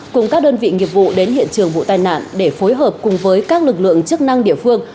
cùng các đơn vị nghiệp vụ đến hiện trường vụ tai nạn để phối hợp cùng với các lực lượng chức năng địa phương